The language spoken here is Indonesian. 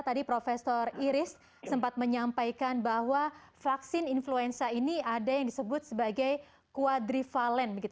tadi prof iris sempat menyampaikan bahwa vaksin influenza ini ada yang disebut sebagai kuadrivalen